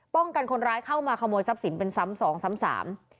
กันคนร้ายเข้ามาขโมยทรัพย์สินเป็นซ้ำสองซ้ำสาม